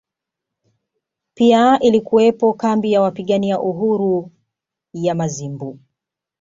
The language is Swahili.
Pia ilikuwepo kambi ya wapigania uhuru ya Mazimbu